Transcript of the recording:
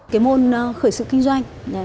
cái môn khởi sự kinh doanh